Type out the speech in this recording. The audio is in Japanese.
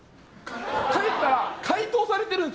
帰ったら解凍されてるんです